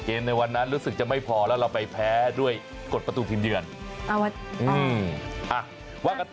ในวันนั้นรู้สึกจะไม่พอแล้วเราไปแพ้ด้วยกฎประตูทีมเยือน